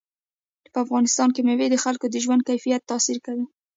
په افغانستان کې مېوې د خلکو د ژوند کیفیت تاثیر کوي.